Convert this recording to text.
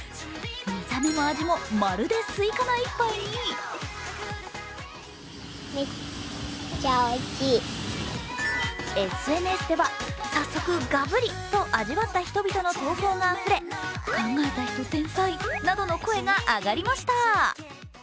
見た目も味も、まるでスイカな一杯にＳＮＳでは早速、ガブリと味わった人々の投稿があふれ、考えた人天才などの声が上がりました。